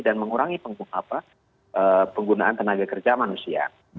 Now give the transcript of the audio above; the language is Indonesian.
dan mengurangi penggunaan tenaga kerja manusia